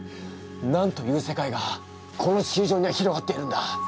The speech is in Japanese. なんという世界がこの地球上には広がっているんだ！？